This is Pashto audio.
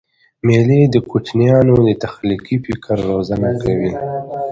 مېلې د کوچنيانو د تخلیقي فکر روزنه کوي.